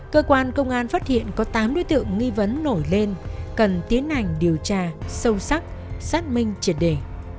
cơ quan công an phát hiện có tám đối tượng nghi vấn nổi lên cần tiến hành điều tra sâu sắc xác minh triệt đề